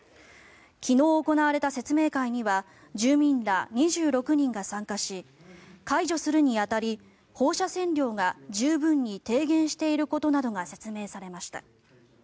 昨日行われた説明会には住民ら２６人が参加し解除するに当たり放射線量が十分に低減していることなどが説明されました。